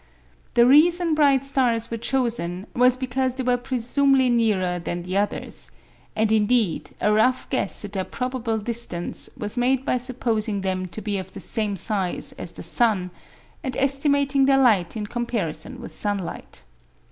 The reason bright stars were chosen was because they were presumably nearer than the others; and indeed a rough guess at their probable distance was made by supposing them to be of the same size as the sun, and estimating their light in comparison with sunlight.